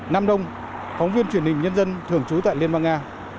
nam đông phóng viên truyền hình nhân dân thường trú tại liên bang nga